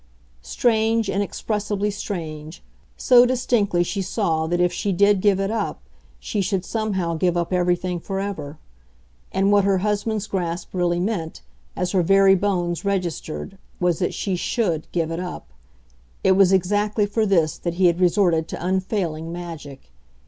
Strange, inexpressibly strange so distinctly she saw that if she did give it up she should somehow give up everything for ever. And what her husband's grasp really meant, as her very bones registered, was that she SHOULD give it up: it was exactly for this that he had resorted to unfailing magic.